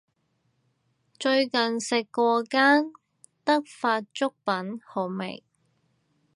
最近食過間德發粥品好味